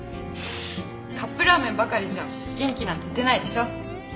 カップラーメンばかりじゃ元気なんて出ないでしょ。